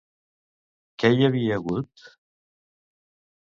Què hi havia hagut?